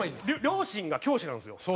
両親が教師なんですよ。